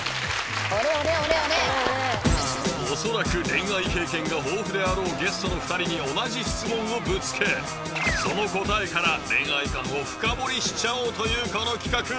恐らく恋愛経験が豊富であろうゲストの２人に同じ質問をぶつけその答えから恋愛観を深掘りしちゃおうというこの企画。